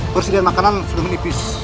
persediaan makanan sudah menipis